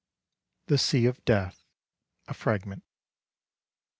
THE SEA OF DEATH. A FRAGMENT.